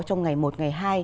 trong ngày một ngày hai